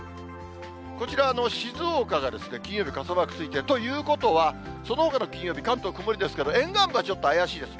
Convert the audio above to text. こちら、静岡が金曜日傘マークついている、ということは、そのほかの金曜日、関東、曇りですけど、沿岸部はちょっと怪しいです。